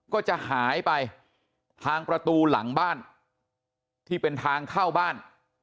ก็จะหายไปทางประตูหลังบ้านที่เป็นทางเข้าบ้าน